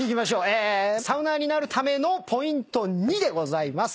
サウナーになるためのポイント２でございます。